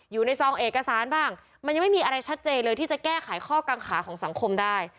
ซองเอกสารบ้างมันยังไม่มีอะไรชัดเจนเลยที่จะแก้ไขข้อกังขาของสังคมได้